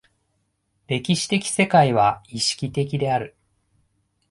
歴史的世界は意識的である。